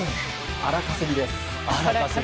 荒稼ぎです。